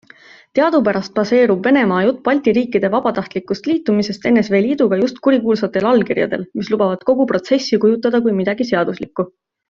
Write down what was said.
Teadupärast baseerub Venemaa jutt Balti riikide vabatahtlikust liitumisest NSV Liiduga just kurikuulsatel allkirjadel, mis lubavad kogu protsessi kujutada kui midagi seaduslikku.